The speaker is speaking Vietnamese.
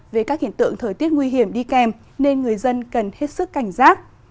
về các hiện tượng thời tiết nguy hiểm đi kèm nên người dân cần hết sức cảnh giác